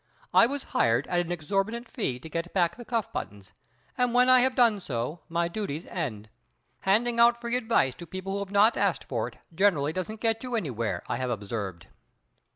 I was hired at an exorbitant fee to get back the cuff buttons, and when I have done so my duties end. Handing out free advice to people who have not asked for it generally doesn't get you anything, I have observed."